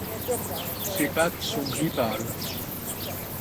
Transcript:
Ses pattes sont gris pâle.